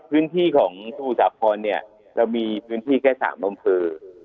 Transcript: พื้นที่ของสู่สะพรเนี่ยเรามีพื้นที่แค่สามบำคือ